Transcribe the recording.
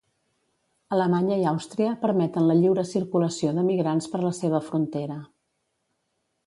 Alemanya i Àustria permeten la lliure circulació de migrants per la seva frontera.